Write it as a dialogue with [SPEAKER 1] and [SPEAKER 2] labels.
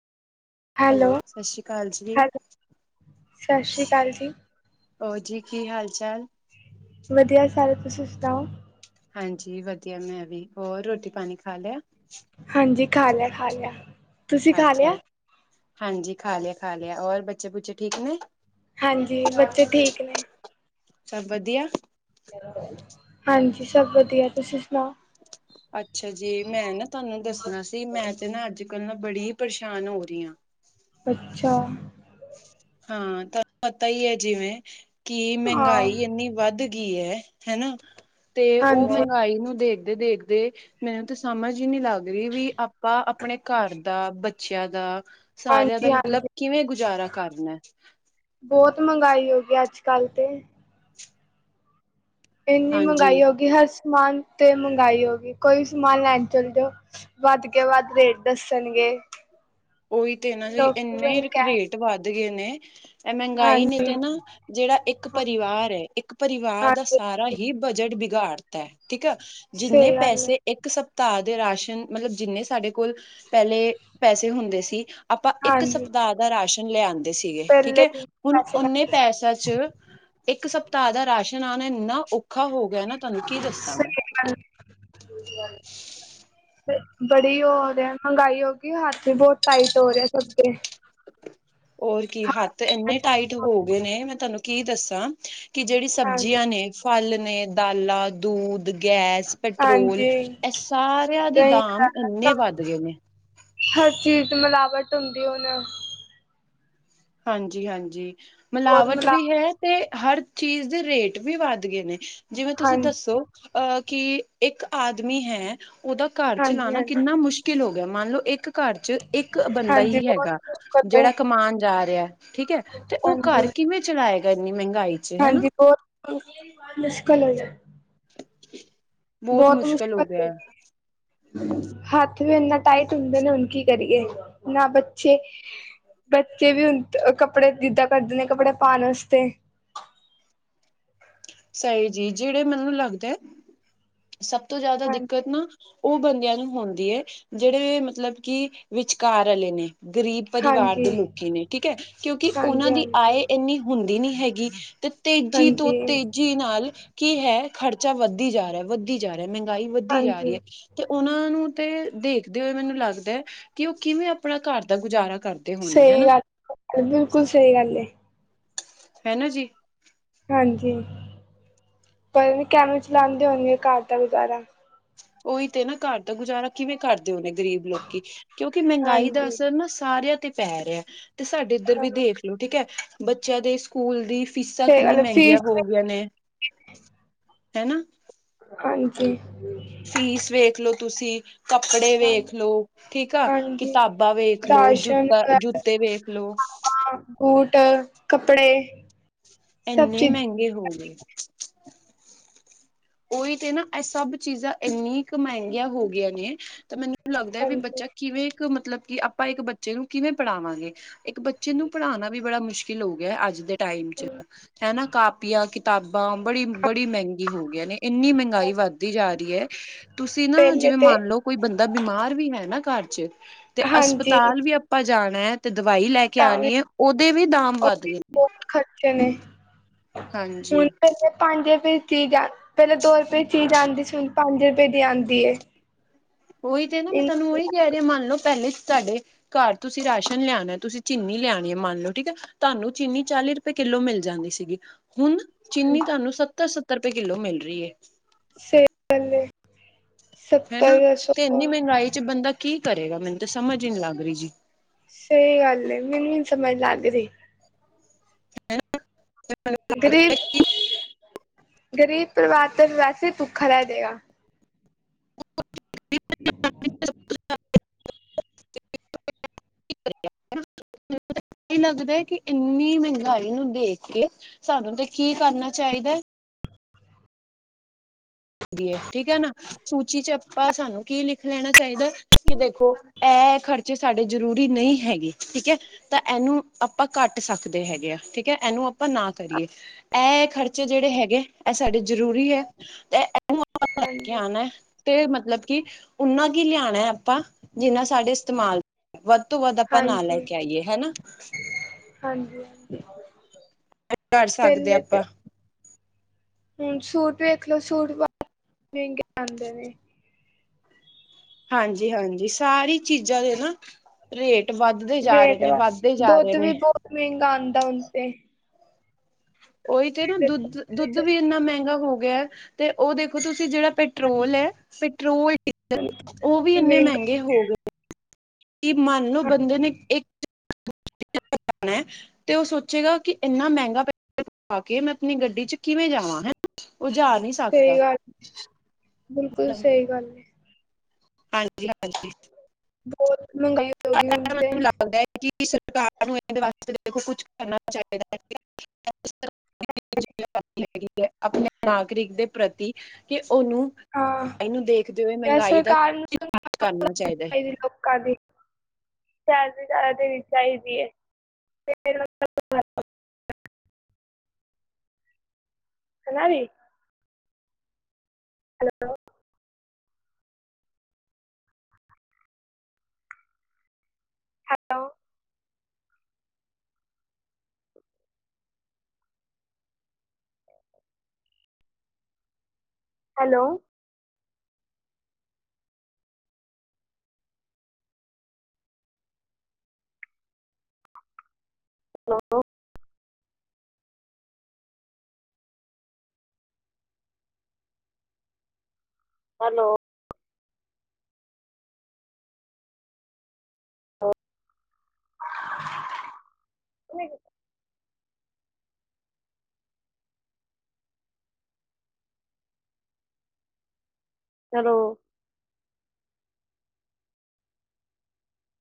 [SPEAKER 1] Hello,
[SPEAKER 2] ਸਤਿ ਸ਼੍ਰੀ ਅਕਾਲ ਜੀ
[SPEAKER 1] ਹੈਲੋ ਸਤਿ ਸ਼੍ਰੀ ਅਕਾਲ ਜੀ।
[SPEAKER 2] ਹੋ ਜੀ ਕੀ ਹਾਲ-ਚਾਲ?
[SPEAKER 1] ਵਧੀਆ, ਸਾਰੇ ਤੁਸੀਂ ਸੁਣਾਓ?
[SPEAKER 2] ਹਾਂਜੀ, ਵਧੀਆ ਮੈਂ ਵੀ ਹੋਰ ਰੋਟੀ ਪਾਣੀ ਖਾ ਲਿਆ।
[SPEAKER 1] ਹਾਂਜੀ, ਖਾ ਲਿਆ ਖਾ ਲਿਆ ਤੁਸੀਂ ਖਾ
[SPEAKER 2] ਅੱਛਾ
[SPEAKER 1] ਲਿਆ।
[SPEAKER 2] ਹਾਂਜੀ, ਖਾ ਲਿਆ ਖਾ ਲਿਆ, ਔਰ ਬੱਚੇ ਬੁੱਚੇ ਠੀਕ ਨੇ।
[SPEAKER 1] ਹਾਂਜੀ, ਬੱਚੇ ਠੀਕ ਨੇ,
[SPEAKER 2] ਸਭ ਵਧੀਆ।
[SPEAKER 1] ਹਾਂਜੀ, ਸਭ ਵਧੀਆ ਤੁਸੀਂ ਸੁਣਾਓ?
[SPEAKER 2] ਅੱਛਾ ਜੀ ਮੈਂ ਨਾ ਤੁਹਾਨੂੰ ਦੱਸਣਾ ਸੀ, ਮੈਂ ਤੇ ਨਾ ਅੱਜ-ਕੱਲ ਨਾ ਬੜੀ ਹੀ ਪਰੇਸ਼ਾਨ ਹੋ ਰਹੀ ਹਾਂ।
[SPEAKER 1] ਬੱੱਚਾ,
[SPEAKER 2] ਹਾਂ ਤੁਹਾਨੂੰ ਪਤਾ ਹੀ ਹੈ, ਜਿਵੇਂ ਕਿ
[SPEAKER 1] ਹਾਂ
[SPEAKER 2] ਮਹਿੰਗਾਈ ਇੰਨੀ ਵੱਧ ਗੀ ਹੈ ਹਨਾ, ਤੇ ਉਹ
[SPEAKER 1] ਹਾਂਜੀ
[SPEAKER 2] ਮਹਿੰਗਾਈ ਨੂੰ ਦੇਖਦੇ ਦੇਖਦੇ। ਮੈਨੂੰ ਤਾਂ ਸਮਝ ਹੀ ਨਹੀਂ ਲੱਗ ਰਹੀ ਵੀ, ਆਪਾਂ ਆਪਣੇ ਘਰ ਦਾ ਬੱਚਿਆਂ ਦਾ। ਸਾਰਿਆਂ ਦਾ
[SPEAKER 1] ਹਾਂਜੀ
[SPEAKER 2] ਮਤਲਬ
[SPEAKER 1] ਹਾਂਜੀ
[SPEAKER 2] ਕਿਵੇਂ ਗੁਜ਼ਾਰਾ ਕਰਨਾ ਹੈ।
[SPEAKER 1] ਬਹੁਤ ਮਹਿੰਗਾਈ ਹੋ ਗਈ ਅੱਜ-ਕੱਲ ਤੇ, ਇੰਨੀ
[SPEAKER 2] ਹਾਂਜੀ
[SPEAKER 1] ਮਹਿੰਗਾਈ ਹੋ ਗਈ, ਹਰ ਸਮਾਨ ਤੇ ਮਹਿੰਗਾਈ ਹੋ ਗਈ ਕੋਈ ਵੀ ਸਮਾਨ ਲੈਣ ਚੱਲ ਜਾਓ। ਵੱਧ ਕੇ ਵੱਧ ਰੇਟ ਦੱਸਣਗੇ।
[SPEAKER 2] ਉਹੀ ਤੇ ਇਹ ਨਾ ਜੇ
[SPEAKER 1] ਲੋਕ
[SPEAKER 2] ਇੰਨੇ
[SPEAKER 1] ਕਹਿ
[SPEAKER 2] ਰੇਟ ਵੱਧ ਗਏ, ਨੇ ਇਹ ਮਹਿੰਗਾਈ ਨੇ
[SPEAKER 1] ਹਾਂਜੀ
[SPEAKER 2] ਤੇ ਨਾ ਜਿਹੜਾ ਇੱਕ ਪਰਿਵਾਰ ਹੈ, ਇੱਕ ਪਰਿਵਾਰ ਦਾ
[SPEAKER 1] ਹਾਂਜੀ
[SPEAKER 2] ਸਾਰਾ ਹੀ ਬਜਟ ਬਿਗਾੜ ਠੀਕ ਆ ਜਿੰਨੇ
[SPEAKER 1] ਸਹੀ ਗੱਲ ਹੈ
[SPEAKER 2] ਪੈਸੇ, ਇੱਕ ਸਪਤਾਹ ਦੇ ਰਾਸ਼ਨ ਮਤਲਬ ਜਿੰਨੇ ਸਾਡੇ ਕੋਲ ਪਹਿਲੇ, ਪੈਸੇ ਹੁੰਦੇ ਸੀ ਆਪਾਂ ਇੱਕ
[SPEAKER 1] ਹਾਂਜੀ
[SPEAKER 2] ਸਪਤਾਹ ਦਾ ਰਾਸ਼ਨ ਲਿਆਂਂਦੇ ਸੀਗੇ, ਠੀਕ
[SPEAKER 1] ਪਹਿਲੇ
[SPEAKER 2] ਹੈ
[SPEAKER 1] ਹੀ
[SPEAKER 2] ਹੁਣ
[SPEAKER 1] ਪੈਸੇ
[SPEAKER 2] ਓਨੇ
[SPEAKER 1] ਲੱਗ
[SPEAKER 2] ਪੈਸਾ ਚ ਇਕ ਸਪਤਾਹ ਦਾ ਰਾਸ਼ਨ ਆਣਾ ਇੰਨਾ ਉ ਔਖਾ ਹੋ ਗਿਆ, ਨਾ ਤੁਹਾਨੂੰ ਕੀ ਦੱਸਾਂ ਮੈਂ
[SPEAKER 1] ਹ ਬੜੀ ਉਹ ਹੋ ਰਿਹਾ ਮਹਿੰਗਾਈ ਹੋ ਗਈ, ਹੱਥ ਵੀ ਬਹੁਤ ਟਾਈਟ ਹੋ ਰਿਹਾ ਸਗੇ।
[SPEAKER 2] ਹੋਰ ਕੀ ਹੱਥ ਇੰਨੇ ਟਾਈਟ ਹੋ ਗਏ, ਨੇ ਮੈਂ ਤੁਹਾਨੂੰ ਕੀ ਦੱਸਾਂ। ਕਿ ਜਿਹੜੀ,
[SPEAKER 1] ਹਾਂਜੀ
[SPEAKER 2] ਸਬਜ਼ੀਆਂ ਨੇ, ਫਲ ਨੇ, ਦਾਲਾਂ ਦੂਧ ਗੈਸ, ਪੈਟਰੋਲ
[SPEAKER 1] ਹਾਂਜੀ
[SPEAKER 2] ਇਹ ਸਾਰਿਆਂ ਦੇ
[SPEAKER 1] ਸਹੀ
[SPEAKER 2] ਦਾਮ,
[SPEAKER 1] ਗੱਲ ਆ।
[SPEAKER 2] ਇੰਨੇ ਵੱਧ ਗਏ ਨੇ।
[SPEAKER 1] ਹਰ ਚੀਜ਼ ਵੀਚ, ਮਿਲਾਵਟ ਹੁੰਦੀ ਹੁਣ
[SPEAKER 2] ਹਾਂਜੀ-ਹਾਂਜੀ, ਮਿਲਾਵਟ ਵੀ ਹੈ। ਤੇ ਹਰ ਚੀਜ਼ ਦੇ, ਰੇਟ ਵੀ ਵੱਧ ਗਏ, ਨੇ ਜਿਵੇਂ ਤੁਸੀਂ
[SPEAKER 1] ਹਾਂਜੀ
[SPEAKER 2] ਦੱਸੋ? ਅਹ ਕਿ ਇੱਕ ਆਦਮੀ ਹੈ, ਉਹਦਾ ਘਰ
[SPEAKER 1] ਹਾਂਜੀ
[SPEAKER 2] ਚਲਾਉਣਾ
[SPEAKER 1] ਹਾਂਜੀ
[SPEAKER 2] ਕਿੰਨਾ ਮੁਸ਼ਕਿਲ ਮੁਕਿਲ ਹੋ ਗਿਆ, ਮੰਨ ਲਓ ਇੱਕ ਘਰ ਚ, ਇੱਕ ਬੰਦਾ
[SPEAKER 1] ਹਾਂਜੀ
[SPEAKER 2] ਹੀ
[SPEAKER 1] ਬਹੁਤ
[SPEAKER 2] ਹੈਗਾ,
[SPEAKER 1] ਮੁਸ਼ਕਲ ਏ
[SPEAKER 2] ਜਿਹੜਾ ਕਮਾਉਣ ਜਾ ਰਿਹਾ। ਰਿ ਠੀਕ ਹੈ, ਤੇ ਉਹ ਘਰ
[SPEAKER 1] ਹਾਂਜੀ
[SPEAKER 2] ਕਿਵੇਂ ਚਲਾਏਗਾ, ਇੰਨੀ ਮਹਿੰਗਾਈ ਚ ਹੈ।
[SPEAKER 1] ਹਾਂਜੀ ਬਹੁਤ ਮੁਸ਼ਕਿਲ ਹੋਜੇ। ਬਹੁਤ
[SPEAKER 2] ਹੋ
[SPEAKER 1] ਮੁਸ਼ਕਿਲ
[SPEAKER 2] ਗਿਆ
[SPEAKER 1] ਏ।
[SPEAKER 2] ਹੈ।
[SPEAKER 1] ਹੱਥ ਵੀ ਇਨਾ, ਟਾਈਟ ਹੁੰਦੇ ਨੇ। ਹੁਣ ਕੀ ਕਰੀਏ ਨਾ ਪੁੱਛੇ। ਬੱਚੇ ਵੀ ਹੁਣ, ਕੱਪੜੇ ਜਿੱਦਾਂ ਕਰਦੇ ਨੇ, ਕੱਪੜੇ ਪਾਣ ਵਾਸਤੇ।
[SPEAKER 2] ਸਹੀ ਜੀ। ਜਿਹੜੇ ਮੈਨੂੰ ਲੱਗਦੇ ਹੈ, ਸਭ ਤੋਂ ਜਿਆਦਾ
[SPEAKER 1] ਹਾਂਜੀ
[SPEAKER 2] ਦਿੱਕਤ ਨਾ ਉਹ ਬੰਦਿਆਂ ਨੂੰ, ਹੁੰਦੀ ਹੈ। ਜਿਹੜੇ ਮਤਲਬ ਕਿ ਵਿਚਕਾਰ ਵਾਲੇ ਨੇ, ਗਰੀਬ ਪਰਿਵਾਰ
[SPEAKER 1] ਹਾਂਜੀ
[SPEAKER 2] ਦੇ ਲੋਕੀ ਨੇ। ਠੀਕ ਹੈ, ਕਿਉਂਕਿ ਉਹਨਾਂ
[SPEAKER 1] ਹਾਂਜੀ
[SPEAKER 2] ਦੀ ਆਏ
[SPEAKER 1] ਹਾਂਜੀ
[SPEAKER 2] ਇੰਨੀ ਹੁੰਦੀ ਨੀ ਹੈਗੀ। ਤੇ ਤੇਜ਼ੀ ਤੋਂ
[SPEAKER 1] ਹਾਂਜੀ
[SPEAKER 2] ਤੇਜ਼ੀ ਨਾਲ ਕੀ ਹੈ, ਖ਼ਰਚਾ ਵੱਧਦੀ ਜਾ ਰਿਹਾ, ਵੱਧਦੀ ਜਾ ਰਿਹਾ। ਮਹਿੰਗਾਈ ਵੱਦੀ, ਜਾ ਰਹੀ
[SPEAKER 1] ਹਾਂਜੀ
[SPEAKER 2] ਹੈ। ਤੇ ਉਹਨਾਂ ਨੂੰ ਤੇ, ਦੇਖਦੇ ਹੋਏ, ਮੈਨੂੰ ਲੱਗਦਾ ਕਿ, ਉਹ ਕਿਵੇਂ ਆਪਣਾ, ਘਰ ਦਾ ਗੁਜ਼ਾਰਾ ਕਰਦਾ।
[SPEAKER 1] ਸਹੀ ਗੱਲ ਏ, ਬਿਲਕੁਲ ਸਹੀ ਗੱਲ ਏ।
[SPEAKER 2] ਹੈ ਨਾ ਜੀ।
[SPEAKER 1] ਹਾਂਜੀ, ਪਰ ਇਹ ਕਿਵੇਂ, ਚਲਾਦੇ ਹੁਣਗੇ ਘਰ ਦਾ ਗੁਜ਼ਾਰਾ।
[SPEAKER 2] ਉਹੀ ਤੇ ਨਾ, ਘਰ ਦਾ ਗੁਜ਼ਾਰਾ, ਕਿਵੇਂ ਕਰਦੇ ਹੋਨੇ ਗ਼ਰੀਬ ਲੋਕੀ। ਕਿਉਂਕਿ, ਮਹਿੰਗਾਈ ਦਾ
[SPEAKER 1] ਹਾਂਜੀ
[SPEAKER 2] ਅਸਰ ਨਾ, ਸਾਰਿਆਂ ਤੇ ਪੈ ਰਿਹਾ। ਤੇ ਸਾਡੇ ਇੱਧਰ ਵਿ ਦੇਖ ਲੋ ਠੀਕ ਹੈ। ਬੱਚਿਆਂ ਦੇ ਸਕੂਲ ਦੀ ਫੀਸਾਂ,
[SPEAKER 1] ਸਹੀ
[SPEAKER 2] ਕਿੰਨੀਆਂ
[SPEAKER 1] ਗੱਲ ਏ,
[SPEAKER 2] ਮਹਿੰਗੀਆਂ
[SPEAKER 1] ਫੀਸ
[SPEAKER 2] ਹੋ
[SPEAKER 1] ਵੀ
[SPEAKER 2] ਗਈਆਂ ਨੇ। ਹੈਨਾ।
[SPEAKER 1] ਹਾਂਜੀ।
[SPEAKER 2] ਫੀਸ ਵੇਖਲੋ ਤੁਸੀਂ, ਕੱਪੜੇ
[SPEAKER 1] ਹਾਂ
[SPEAKER 2] ਵੇਖ ਲੋ। ਠੀਕ ਆ।
[SPEAKER 1] ਹਾਂਜੀ
[SPEAKER 2] ਕਿਤਾਬਾਂ ਵੇਖ ਲੋ,
[SPEAKER 1] ਰਾਸ਼ਨ
[SPEAKER 2] ਜੁੱਤਾ
[SPEAKER 1] ਵਗੈਰਾ
[SPEAKER 2] ਜੁੱਤੇ ਵੇਖ ਲੋ।
[SPEAKER 1] ਬੂਟ ਕੱਪੜੇ ਸਭ
[SPEAKER 2] ਇੰਨੇ
[SPEAKER 1] ਚੀਜ਼
[SPEAKER 2] ਮਹਿੰਗੇ ਹੋ ਗਏ। ਉਹੀ ਤੇ ਨਾ। ਇਹ ਸਭ ਚੀਜ਼ਾਂ ਇੰਨੀ ਕੁ, ਮਹਿੰਗੀਆਂ ਹੋ ਗਈ ਨੇ। ਤਾਂ ਮੈਨੂੰ ਨੂੰ ਲੱਗਦਾ ਹੈ, ਵੀ
[SPEAKER 1] ਹਾਂਜੀ
[SPEAKER 2] ਬੱਚਾ ਕਿਵੇਂ ਇੱਕ ਮਤਲਬ ਕਿ, ਆਪਾਂ ਇੱਕ ਬੱਚੇ ਨੂੰ ਕਿਵੇਂ ਪੜਾਵਾਂਗੇ। ਇੱਕ ਬੱਚੇ ਨੂੰ, ਪੜਾਉਣਾ ਵੀ ਬੜਾ, ਮੁਸ਼ਕਿਲ ਹੋ ਗਿਆ ਹੈ। ਅੱਜ ਦੇ ਟਾਈਮ ਚ। ਹਨਾ ਕਾਪੀਆਂ ਕਿਤਾਬਾਂ ਬੜੀ। ਬੜੀ ਮਹਿੰਗੀ ਹੋਗੀਆਂ ਨੇ। ਇੰਨੀ ਮਹਿੰਗਾਈ, ਵੱਧਦੀ ਜਾ ਰਹੀ ਹੈ। ਤੁਸੀਂ ਨਾ
[SPEAKER 1] ਪਹਿਲੇ
[SPEAKER 2] ਜਿਵੇਂ
[SPEAKER 1] ਤੇ
[SPEAKER 2] ਮੰਨ ਲਓ। ਕੋਈ ਬੰਦਾ ਬਿਮਾਰ ਵੀ ਹੈ ਨਾ। ਘਰ ਚ ਤੇ
[SPEAKER 1] ਹਾਂਜੀ
[SPEAKER 2] ਹਸਪਤਾਲ ਵੀ, ਆਪਾਂ ਜਾਣਾ ਹੈ ਤੇ, ਦਵਾਈ ਲੈ ਕੇ ਕੇ
[SPEAKER 1] ਤਾਂ ਵੀ
[SPEAKER 2] ਆਣੀ ਏ। ਉਹਦੇ ਵੀ ਦਾਮ
[SPEAKER 1] ਉਹ
[SPEAKER 2] ਵੱਧ
[SPEAKER 1] ਵੀ
[SPEAKER 2] ਗਏ।
[SPEAKER 1] ਬਹੁਤ ਖਰਚੇ ਨੇ।
[SPEAKER 2] ਹਾਂਜੀ।
[SPEAKER 1] ਹੁਣ ਪਹਿਲੇ ਪੰਜ ਰੁਪਏ ਦੀ ਚੀਜ਼ ਆ। ਪਹਿਲਾਂ ਦੋ ਰੁਪਏ ਦੀ, ਚੀਜ਼ ਆਉਂਦੀ ਸੀ। ਹੁਣ ਪੰਜ ਰੁਪਏ ਦੀ, ਆਉਂਦੇ ਏ।
[SPEAKER 2] ਉਹੀ ਤੇ ਨਾ। ਮੈਂ ਤੁਹਾਨੂੰ ਉਹੀ ਕਹਿ ਰਹੀ। ਮੰਨ ਲਓ ਪਹਿਲੇ ਤੁਹਾਡੇ ਘਰ ਤੁਸੀਂ ਰਾਸ਼ਨ ਲਿਆਉਣਾ। ਤੁਸੀਂ ਚੀਨੀ ਲਿਆਣੀ ਹੈ। ਮੰਨ ਲਓ ਠੀਕ ਹੈ। ਤੁਹਾਨੂੰ ਚੀਨੀ ਚਾਲੀ ਰੁਪਏ, ਕਿੱਲੋ ਮਿਲ ਜਾਂਦੀ ਸੀਗੀ। ਹੁਣ ਚੀਨੀ ਤੁਹਾਨੂੰ ਸੱਤਰ, ਸੱਤਰ ਰੁਪਏ ਕਿੱਲੋ, ਮਿਲ ਰਹੀ ਹੈ।
[SPEAKER 1] [unintelligible]
[SPEAKER 2] ਵਿੱਚ ਬੰਦਾ ਕੀ ਕਰੇਗਾ। ਮੈਨੂੰ ਤਾਂ ਸਮਝ ਹੀ, ਨੀ ਲੱਗ ਰਹੀ ਜੀ।
[SPEAKER 1] ਸਹੀ ਗੱਲ ਏ। ਮੈਨੂੰ ਨੀ ਸਮਝ ਲੱਗ ਰਹੀ। ਗਰੀਬ, ਗਰੀਬ ਪਰਿਵਾਰ ਤੇ ਵੈਸੇ, ਭੁੱਖਾ ਰਹਿ ਜੇਗਾ।
[SPEAKER 2] [inaudible]
[SPEAKER 1] ਹੂੰ, [unintelligible]
[SPEAKER 2] [inaudible] ਇਹ ਲੱਗਦਾ ਹੈ ਕਿ ਇੰਨੀ ਮਹਿੰਗਾਈ ਨੂੰ ਦੇਖ ਕੇ। ਸਾਨੂੰ ਤੇ ਕੀ ਕਰਨਾ ਚਾਹੀਦਾ। ਠੀਕ ਹੈ ਨਾ ਸੂਚੀ ਚ ਆਪਾਂ ਸਾਨੂੰ ਕੀ ਲਿਖ ਲੈਣਾ ਚਾਹੀਦਾ। ਕਿ ਦੇਖੋ ਇਹ ਖ਼ਰਚੇ ਸਾਡੇ ਜ਼ਰੂਰੀ ਨਹੀਂ ਹੈਗੇ ਠੀਕ ਹੈ। ਤਾਂ ਇਹਨੂੰ ਆਪਾਂ ਘੱਟ ਸਕਦੇ ਹੈਗੇ ਆ ਠੀਕ ਹੈ ਇਹਨੂੰ ਆਪਾਂ ਨਾ ਕਰੀਏ। ਇਹ ਖਰਚੇ ਜਿਹੜੇ ਹੈਗੇ ਇਹ ਸਾਡੇ ਜ਼ਰੂਰੀ ਹੈ ਤੇ ਇਹਨੂੰ ਆਪ ਲੈ ਕੇ
[SPEAKER 1] ਹਾਂਜੀ
[SPEAKER 2] ਆਉਣਾ ਹੈ। ਤੇ ਮਤਲਬ ਕਿ ਉਹਨਾ ਕੀ ਲਿਆਣਾ ਹੈ ਆਪਾਂ ਜਿੰਨਾ ਸਾਡੇ ਇਸਤਮਾਲ ਵੱਧ ਤੋਂ ਵੱਧ ਆਪਾਂ ਨਾ ਲੈ
[SPEAKER 1] ਹਾਂਜੀ
[SPEAKER 2] ਕੇ ਆਈਏ ਹਨਾ।
[SPEAKER 1] ਹਾਂਜੀ
[SPEAKER 2] ਕਰ ਸਕਦੇ
[SPEAKER 1] ਪਹਿਲੇ ਤੇ
[SPEAKER 2] ਆਪਾਂ।
[SPEAKER 1] ਹੁਣ ਸੂਟ ਵੇਖ ਲਓ ਸੂਟ ਮਹਿੰਗੇ ਆਂਦੇ ਨੇ
[SPEAKER 2] ਹਾਂਜੀ-ਹਾਂਜੀ, ਸਾਰੀ ਚੀਜ਼ਾਂ ਦੇ ਨਾ ਰੇਟ ਵੱਧਦੇ ਜਾ ਰਹੇ
[SPEAKER 1] ਰੇਟ
[SPEAKER 2] ਨੇ
[SPEAKER 1] ਵਾ
[SPEAKER 2] ਵੱਧਦੇ ਜਾ ਰਹੇ
[SPEAKER 1] ਦੁੱਧ ਵੀ
[SPEAKER 2] ਨੇ।
[SPEAKER 1] ਬਹੁਤ ਮਹਿੰਗਾ ਆਉਂਦਾ ਹਣ ਤੇ।
[SPEAKER 2] ਉਹੀ ਤੇ ਨਾ ਦੁੱਧ ਦੁੱਧ ਵੀ ਇੰਨਾ ਮਹਿੰਗਾ ਹੋ ਗਿਆ ਤੇ ਉਹ ਦੇਖੋ ਤੁਸੀਂ ਜਿਹੜਾ ਪੈਟਰੋਲ ਹੈ ਪੈਟਰੋਲ ਡੀਜ਼ਲ ਉਹ ਵੀ ਇੰਨੇ
[SPEAKER 1] ਮਹਿੰਗਾ
[SPEAKER 2] ਮਹਿੰਗੇ ਹੋ ਗਏ। ਕੀ ਮੰਨ ਲਓ ਬੰਦੇ ਨੇ ਇੱਕ [unintelligible] ਜਾਣਾ ਤੇ ਉਹ ਸੋਚੇਗਾ ਕਿ ਇੰਨਾ ਮਹਿੰਗਾ ਪੈਟਰੋਲ ਕੇ ਮੈਂ ਆਪਣੀ ਗੱਡੀ ਚ ਕਿਵੇਂ ਜਾਵਾਂ ਹੈ। ਉਹ ਜਾ ਨਹੀਂ ਸੀ
[SPEAKER 1] ਸਹੀ ਗੱਲ ਬਿਲਕੁਲ ਸਹੀ ਗੱਲ ਹੈ।
[SPEAKER 2] ਹਾਂਜੀ-ਹਾਂਜੀ,
[SPEAKER 1] ਬਹੁਤ ਮਹਿੰਗਾਈ ਹੋ ਗਈ ਹੁਣ ਤੇ।
[SPEAKER 2] ਮੈਨੂੰ ਲੱਗਦਾ ਕਿ ਸਰਕਾਰ ਨੂੰ ਇਹਦੇ ਵਾਸਤੇ ਦੇਖੋ ਕੁਛ ਕਰਨਾ ਚਾਹੀਦਾ ਹੈ। ਹੈਗੀ ਹੈ ਆਪਣੇ ਨਾਗਰਿਕ ਦੇ ਪ੍ਰਤੀ ਕਿ ਉਹਨੂੰ।
[SPEAKER 1] ਹਾਂ
[SPEAKER 2] ਇਹਨੂੰ ਦੇਖਦੇ ਹੋਏ
[SPEAKER 1] ਯਾਰ
[SPEAKER 2] ਮਹਿੰਗਾਈ ਦਾ
[SPEAKER 1] ਸਰਕਾਰ ਨੂੰ
[SPEAKER 2] ਕਿਆ ਚਾਹੀਦਾ ਹੈ।
[SPEAKER 1] ਚਲਦੇ ਚਲਦੇ ਚਾਹੀਦੀ ਹੈ। ਫਿਰ ਮਤਲਬ ਵੱਧ ਹੈ।
[SPEAKER 2] [inaudible]
[SPEAKER 1] ਹਨਾ ਵੀ। Hello. Hello. Hello. Hello. Hello. [unintelligible] Hello.